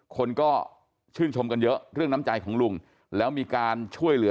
คนก็ชื่นชมกันเยอะเรื่องน้ำใจของลุงแล้วมีการช่วยเหลือ